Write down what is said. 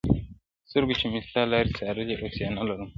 سترګو چي مي ستا لاري څارلې اوس یې نه لرم -